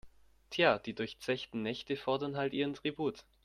Tja, die durchzechten Nächte fordern halt ihren Tribut.